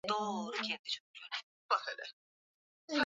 Katika kufanya kazi hiyo ni jukumu la kila mmoja wetu